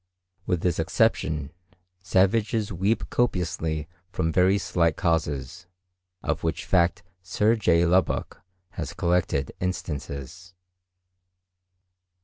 With this exception, savages weep copiously from very slight causes, of which fact Sir J. Lubbock has collected instances.